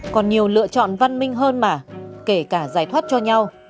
còn nhiều lựa chọn văn minh hơn mà kể cả giải thoát cho nhau